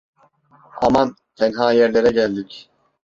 Aman, tenha yerlere geldik.